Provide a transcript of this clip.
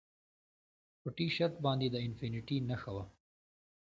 په ټي شرټ باندې د انفینټي نښه وه